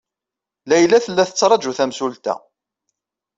Layla tella tettṛaju tamsulta.